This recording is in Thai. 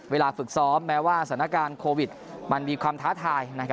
เวลาฝึกซ้อมแม้ว่าสถานการณ์โควิดมันมีความท้าทาย